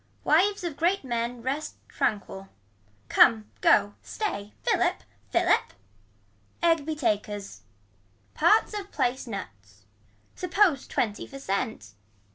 Wives of great men rest tranquil. Come go stay philip philip. Egg be takers. Parts of place nuts. Suppose twenty for cent.